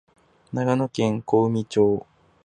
長野県小海町